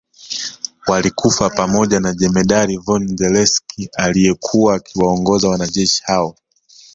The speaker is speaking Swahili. Walikufa pamoja na Jemedari von Zelewski aliyekuwa akiwaongoza wanajeshi hao